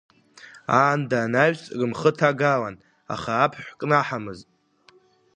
Аанда анаҩс рымхы ҭагалан, аха аԥҳә кнаҳамызт…